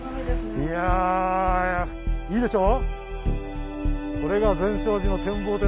いやいいでしょう？